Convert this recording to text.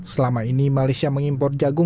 selama ini malaysia mengimpor jagung